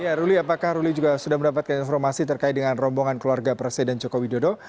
ya ruli apakah ruli juga sudah mendapatkan informasi terkait dengan rombongan keluarga presiden joko widodo